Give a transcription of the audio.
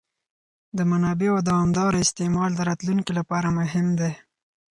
د منابعو دوامداره استعمال د راتلونکي لپاره مهم دی.